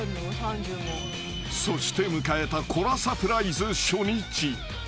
［そして迎えたコラサプライズ初日］